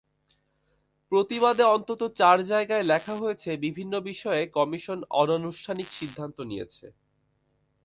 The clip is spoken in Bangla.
প্রতিবাদে অন্তত চার জায়গায় লেখা হয়েছে, বিভিন্ন বিষয়ে কমিশন অনানুষ্ঠানিক সিদ্ধান্ত নিয়েছে।